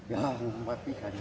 biasa mau ke tempat kerja